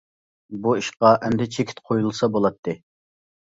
بۇ ئىشقا ئەمدى چېكىت قويۇلسا بولاتتى.